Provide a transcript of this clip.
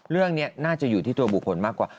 เรื่องนี้น่าจะอยู่ที่ตัวบุคคลมากกว่า